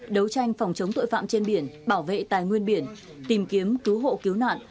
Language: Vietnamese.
đấu tranh phòng chống tội phạm trên biển bảo vệ tài nguyên biển tìm kiếm cứu hộ cứu nạn